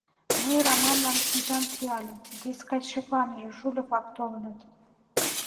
Мый Раманлан шинчам пӱяльым: дескать, шеклане, жульык-влак толыныт...